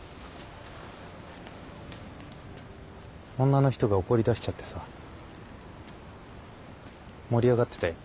女の人が怒りだしちゃってさ盛り上がってたよ。